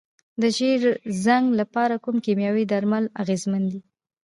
د ژیړ زنګ لپاره کوم کیمیاوي درمل اغیزمن دي؟